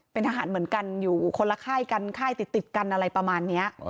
เป็นทหารเหมือนกันอยู่คนละค่ายกันค่ายติดกันอะไรประมาณนี้